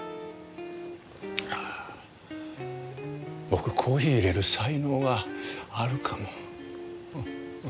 僕コーヒーいれる才能があるかも。